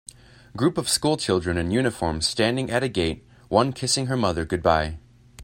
Group of school children in uniforms standing at a gate, one kissing her mother goodbye.